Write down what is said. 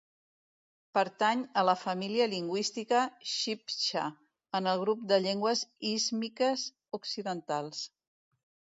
Pertany a la família lingüística txibtxa, en el grup de llengües ístmiques occidentals.